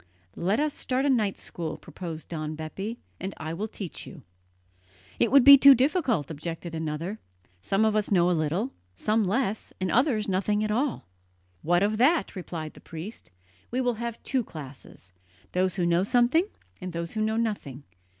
"Let us start a night school," proposed Don Bepi, "and I will teach you." "It would be too difficult," objected another; "some of us know a little, some less, and others nothing at all." "What of that?" replied the priest. "We will have two classes those who know something, and those who know nothing.